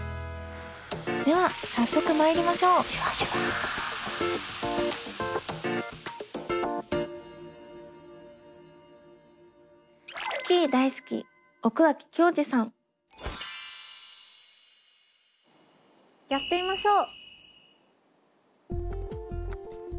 では早速まいりましょうやってみましょう。